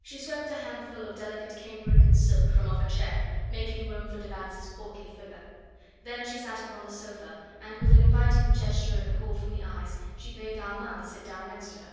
She swept a handful of delicate cambric and silk from off a chair, making room for de Batz' portly figure. Then she sat upon the sofa, and with an inviting gesture and a call from the eyes she bade Armand sit down next to her.